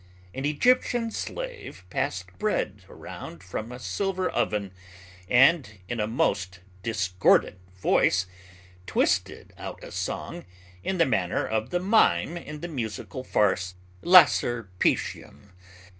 An Egyptian slave passed bread around from a silver oven and in a most discordant voice twisted out a song in the manner of the mime in the musical farce called Laserpitium.